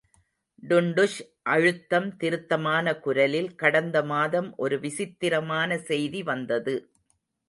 டுன்டுஷ் அழுத்தம் திருத்தமான குரலில், கடந்த மாதம் ஒரு விசித்திரமான செய்தி வந்தது.